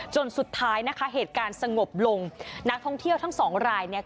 จนสุดท้ายนะคะเหตุการณ์สงบลงนักท่องเที่ยวทั้งสองรายเนี่ย